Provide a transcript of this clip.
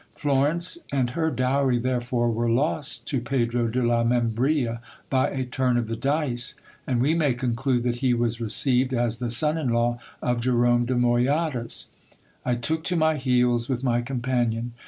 Florence and her dowry therefore were lost to Pedro de la Membrilla by a turn of the dice, and we may conclude that he was received as the son in law of ferome de Moyadas. I took to my heels with my companion.